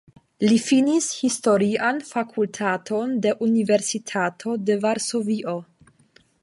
Li finis Historian Fakultaton de la Universitato de Varsovio.